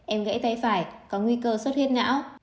em gãy tay phải có nguy cơ suốt huyết não